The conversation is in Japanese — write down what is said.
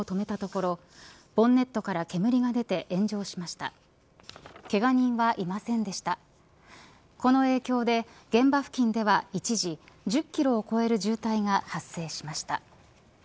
この影響で、現場付近では一時、１０キロを超える渋滞が発生しました。